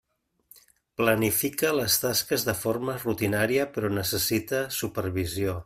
Planifica les tasques de forma rutinària però necessita supervisió.